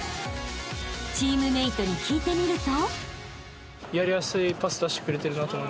［チームメートに聞いてみると］